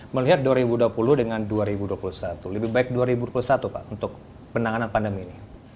melihat dua ribu dua puluh dengan dua ribu dua puluh satu lebih baik dua ribu dua puluh satu pak untuk penanganan pandemi ini